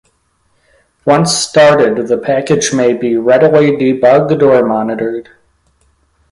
Once started, the package may be readily debugged or monitored.